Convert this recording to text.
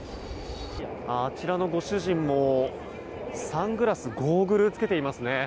あちらのご主人もサングラス、ゴーグルを着けていますね。